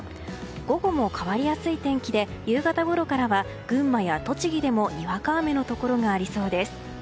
午後も変わりやすい天気で夕方ごろからは群馬や栃木でもにわか雨のところがありそうです。